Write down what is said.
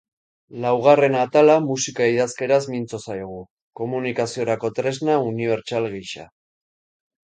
Laugarren atala musika-idazkeraz mintzo zaigu, komunikaziorako tresna unibertsal gisa.